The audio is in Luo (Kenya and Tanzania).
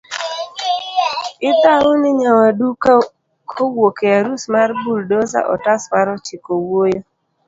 idhau ni nyawadu kowuok e arus mar buldoza otas mar ochiko wuoyo